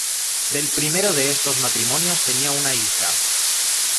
Del primero de estos matrimonios tenía una hija.